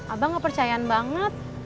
abang kepercayaan banget